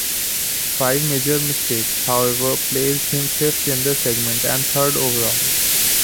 Five major mistakes, however, placed him fifth in the segment and third overall.